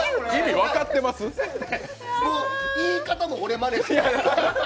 言い方も俺まねして。